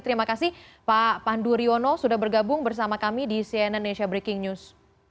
terima kasih pak pandu riono sudah bergabung bersama kami di cnn indonesia breaking news